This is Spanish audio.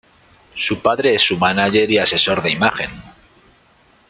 Su padre es su mánager y asesor de imagen.